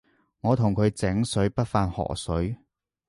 我同佢井水不犯河水